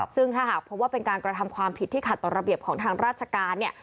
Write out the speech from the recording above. ซึ่งถ้าหากพบว่าเป็นการกระทำความผิดที่ขัดต่อระเบียบของทางราชการเนี่ย